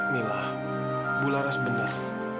mila bu laras benar